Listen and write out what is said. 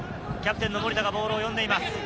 キャプテンの森田がボールを呼んでいます。